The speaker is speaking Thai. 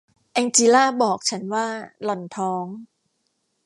แองจีลาบอกฉันว่าหล่อนท้อง